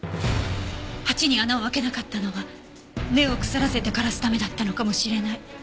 鉢に穴を開けなかったのは根を腐らせて枯らすためだったのかもしれない。